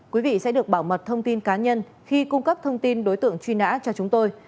quý vị sẽ được bảo mật thông tin cá nhân khi cung cấp thông tin đối tượng truy nã cho chúng tôi